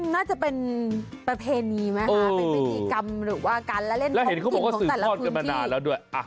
น่าจะเป็นประเพณีไหมคะเป็นบินกรรมหรือว่าการเล่นพร้อมจริงของแต่ละพื้นที่